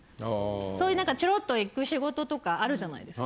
そういうちょろっと行く仕事とかあるじゃないですか。